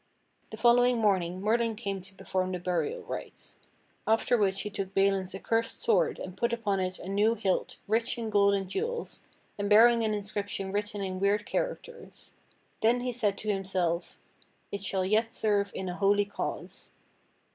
The following morning Merlin came to perform the burial rites. After which he took Balin's accursed sword and put upon it a new hilt rich in gold and jewels, and bearing an inscription written in weird characters. Then he said to himself: "It shall yet serve in a holy cause."